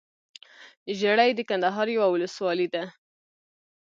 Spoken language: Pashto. ژړۍ دکندهار يٶه ولسوالې ده